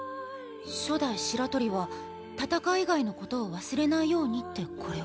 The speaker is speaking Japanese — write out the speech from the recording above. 初代白鳥は戦い以外のことを忘れないようにってこれを？